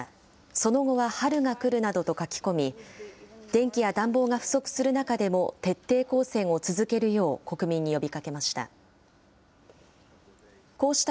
その後は春が来るなどと書き込み、電気や暖房が不足する中でも徹底抗戦を続けるよう国民に呼びかけました。